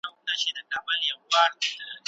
زده کوونکي به سبا په ټولګي کي کار کوي.